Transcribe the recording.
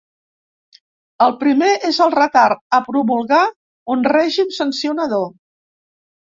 El primer és el retard a promulgar un règim sancionador.